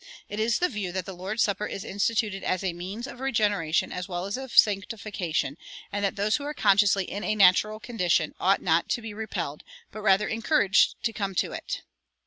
It is the view that the Lord's Supper is instituted as a means of regeneration as well as of sanctification, and that those who are consciously "in a natural condition" ought not to be repelled, but rather encouraged to come to it.